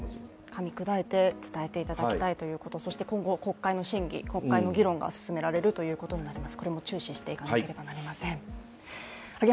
かみ砕いて伝えていただきたいということそして今後、国会の審議、議論が進められるということになります。